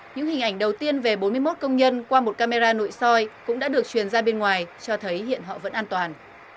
những hình ảnh đầu tiên về bốn mươi một công nhân qua một camera nội soi cũng đã được truyền ra bên ngoài cho thấy hiện họ vẫn an toàn